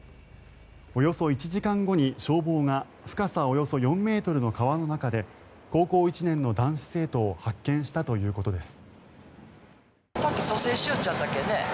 およそ１時間後に消防が深さおよそ４ｍの川の中で高校１年の男子生徒を発見したということです。